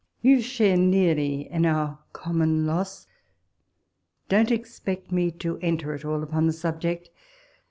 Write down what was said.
You share nearly in our common loss! Don't expect me to enter at all upon the subject.